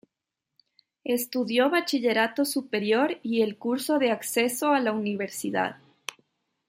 Estudió Bachillerato Superior y el Curso de Acceso a la Universidad.